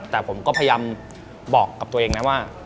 แต่ผมก็พยายามบอกกับตัวเองนะว่า